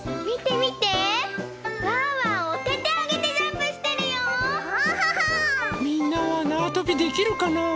みんなはなわとびできるかな？